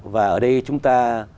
và ở đây chúng ta